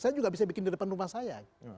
saya juga bisa bikin di depan rumah saya